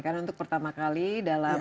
karena untuk pertama kali dalam